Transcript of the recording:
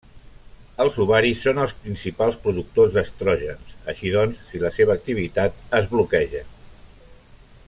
Els ovaris són els principals productors d'estrògens, així doncs, si la seva activitat es bloqueja.